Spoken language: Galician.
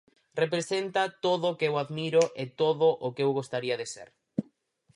Representa todo o que eu admiro e todo o que eu gostaría de ser.